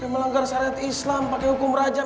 melanggar syariat islam pakai hukum rajam